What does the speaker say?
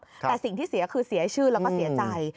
แต่สิ่งที่เสียคือเสียชื่อแล้วก็เสียใจ